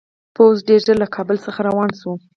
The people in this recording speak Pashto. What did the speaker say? پوځ ډېر ژر له کابل څخه روان شو.